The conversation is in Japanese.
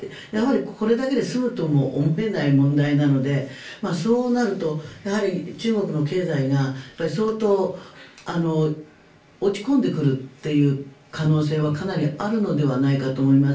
これだけで済むとも思えない問題なのでそうなると、やはり中国の経済が相当、落ち込んでくるという可能性はかなりあるのではないかと思います。